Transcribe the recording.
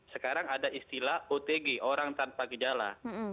sekarang ada istilah otg orang tanpa gejala